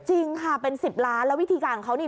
จริงค่ะเป็น๑๐ล้านแล้ววิธีการของเขานี่